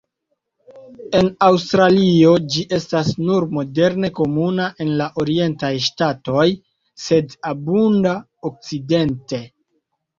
En Aŭstralio ĝi estas nur modere komuna en la orientaj ŝtatoj, sed abunda okcidente.